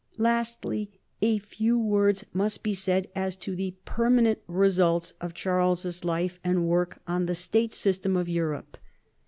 Lastly, a few words must be said as to the permanent results of Charles's life and work on the state system of Europe.